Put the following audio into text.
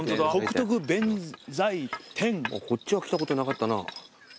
こっちは来たことなかったな。